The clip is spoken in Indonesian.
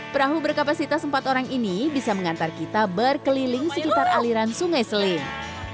perahu berkapasitas empat orang ini bisa mengantar kita berkeliling sekitar aliran sungai seling